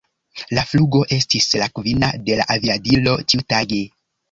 La flugo estis la kvina de la aviadilo tiutage.